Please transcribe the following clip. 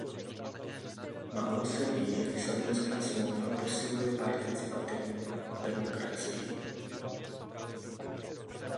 Málo se ví, že Lisabonská smlouva posiluje participativní demokracii.